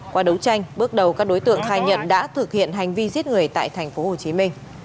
qua đấu tranh bước đầu các đối tượng khai nhận đã thực hiện hành vi giết người tại tp hcm